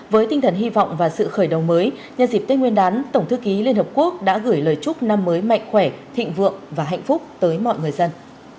với tinh thần hy vọng và sự khởi đầu mới nhân dịp tết nguyên đán tổng thư ký liên hợp quốc đã gửi lời chúc năm mới mạnh khỏe thịnh vượng và hạnh phúc tới mọi người dân